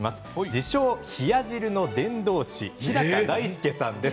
自称冷や汁の伝道師日高大介さんです。